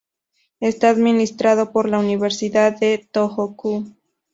Está administrado por la Universidad de Tohoku.